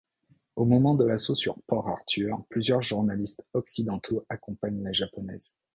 Au moment de l'assaut sur Port-Arthur, plusieurs journalistes occidentaux accompagnent la japonaise.